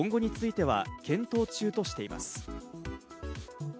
今後については検討中としています。